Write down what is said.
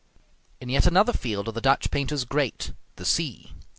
In yet another field are the Dutch painters great, the sea.